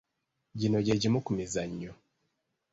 Gino gye gimu ku mizannyo